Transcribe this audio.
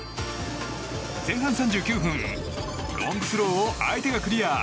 前半３９分ロングスローを相手がクリア。